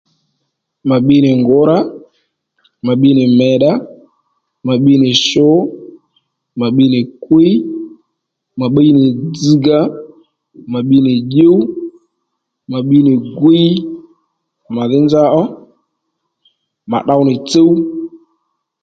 Mà bbi nì ngǔrá mà bbi nì mèddá mà bbiy nì shu mà bbi nì kwíy mà bbi nì dzzga mà bbi nì dyǔw mà bbi nì gwíy màdhí nza ó mà tdo nì tsúw